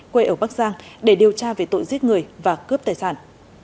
quê ở bắc giang để điều tra về tội giết người và cướp tài sản